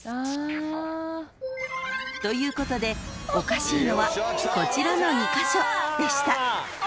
［ということでおかしいのはこちらの２カ所でした］